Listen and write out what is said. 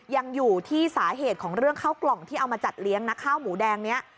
ยังอยู่ที่สาเหตุของเรื่องข้าวกล่องที่เอามาจัดเลี้ยงนะข้าวหมูแดงนี้